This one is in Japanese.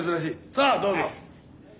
さあどうぞ。